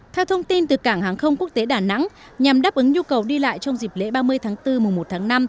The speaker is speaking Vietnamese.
theo thông tin từ cảng hàng không quốc tế đà nẵng nhằm đáp ứng nhu cầu đi lại trong dịp lễ ba mươi tháng bốn mùa một tháng năm